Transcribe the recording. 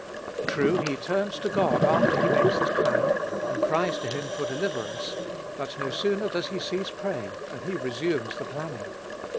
True, he turns to God after he makes his plan, and cries to him for deliverance; but no sooner does he cease praying than he resumes the planning.